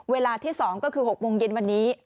เวลาที่๒ก็คือ๖โมงเย็นวันนี้